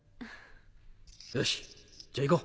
よしじゃあ行こう。